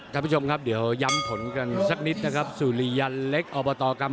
ครับผู้ชมครับเดี๋ยวย้ำผลกันสักนิดนะครับ